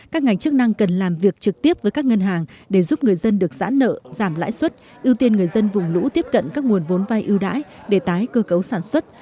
các ngành chức năng cần làm việc trực tiếp với các ngân hàng để giúp người dân được giãn nợ giảm lãi suất ưu tiên người dân vùng lũ tiếp cận các nguồn vốn vai ưu đãi để tái cơ cấu sản xuất